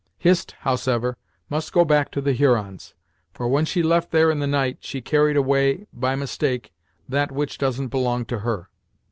Hist, howsever, must go back to the Hurons, for, when she left there in the night, she carried away by mistake, that which doesn't belong to her."